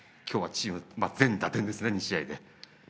チーム全打点ですね、２試合で。